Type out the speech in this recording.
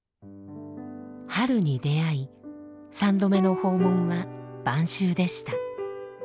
春に出会い３度目の訪問は晩秋でした。